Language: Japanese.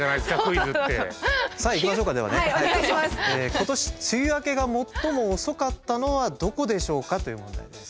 「今年梅雨明けがもっとも遅かったのはどこでしょうか？」という問題です。